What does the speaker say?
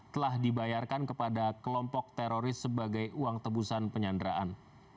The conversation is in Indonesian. telah dibayarkan kepada kelompok teroris sebagai uang tebusan penyanderaan